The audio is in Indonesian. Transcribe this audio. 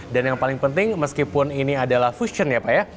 dan yang paling penting meskipun ini adalah fusion ya pak ya